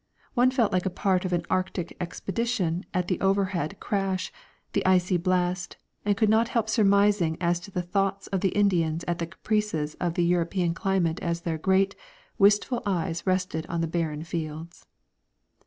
One felt like part of an Arctic expedition at the overhead crash, the icy blast, and could not help surmising as to the thoughts of the Indians at the caprices of the European climate as their great, wistful eyes rested on the barren fields.